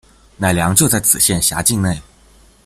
乃良就在此县辖境内。